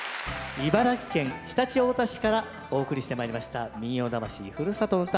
茨城県常陸太田市からお送りしてまいりました「民謡魂ふるさとの唄」